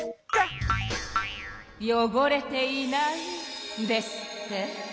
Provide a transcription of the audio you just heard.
よごれていないですって？